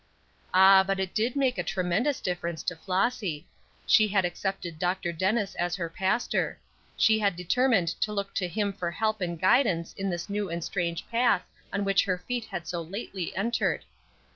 Ah, but it did make a tremendous difference to Flossy. She had accepted Dr. Dennis as her pastor; she had determined to look to him for help and guidance in this new and strange path on which her feet had so lately entered.